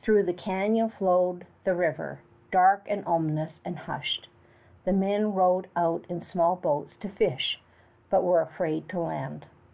Through the canyon flowed the river, dark and ominous and hushed. The men rowed out in small boats to fish but were afraid to land.